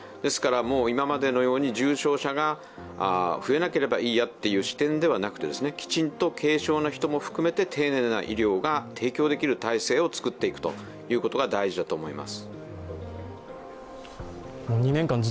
今までのように重症者が増えなければいいやという視点ではなくて、きちんと軽症の人も含めて丁寧な医療が提供できる体制を作っていくということが大事だと思います。